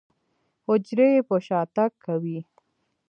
حجرې يې په شاتګ کوي.